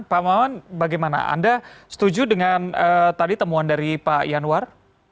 pak mawan bagaimana anda setuju dengan tadi temuan dari pak yanwar